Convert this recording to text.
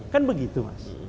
kan begitu mas